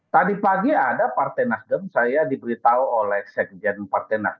tadi pagi ada partai nasdem saya diberitahu oleh sekjen partai nasdem